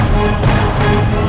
aku ingin menemukanmu